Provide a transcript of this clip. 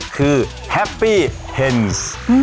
คือแฮปปี้เทนส์